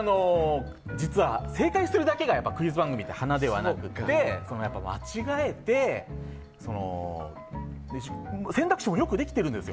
正解するだけがクイズ番組って華ではなくて間違えて、選択肢もよくできてるんです。